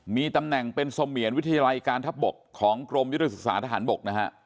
มีตำแหน่งเป็นเสมียรวิทยาลัยการทัพบกของกรมยุทธศึกษาทหารบกนะฮะ